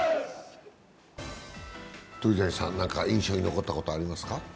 鳥谷さん、何か印象に残ったことありますか？